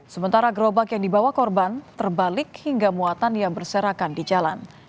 sementara gerobak yang dibawa korban terbalik hingga muatan yang berserakan di jalan